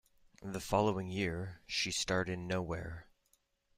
The following year, she starred in "Nowhere".